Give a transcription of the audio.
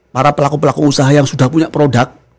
para pelaku pelaku usaha yang sudah punya produk